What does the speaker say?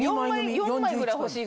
４枚ぐらい欲しい。